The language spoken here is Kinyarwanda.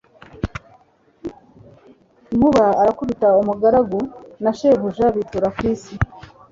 Nkuba arakubita umugaragu na shebuja bitura ku isi